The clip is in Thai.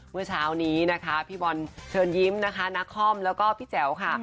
เมื่อเช้านี้นะคะพี่บอลเชิญยิ้มนะคะนักคอมแล้วก็พี่แจ๋วค่ะ